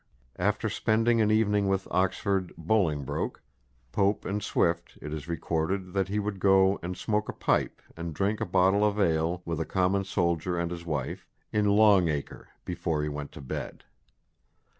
After spending an evening with Oxford, Bolingbroke, Pope and Swift, it is recorded that he would go "and smoke a pipe, and drink a bottle of ale, with a common soldier and his wife, in Long Acre, before he went to bed."